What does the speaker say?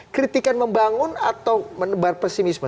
kritikan membangun atau menebar pesimisme